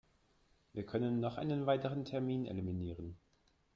Wir können noch einen weiteren Term eliminieren.